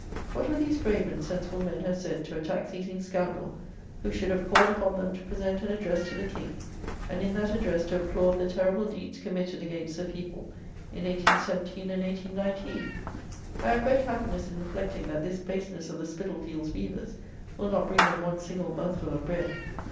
What would these brave and sensible men have said to a tax eating scoundrel, who should have called upon them to present an address to the King, and in that address to applaud the terrible deeds committed against the people in 1817 and 1819! I have great happiness in reflecting that this baseness of the Spitalfields weavers will not bring them one single mouthful of bread.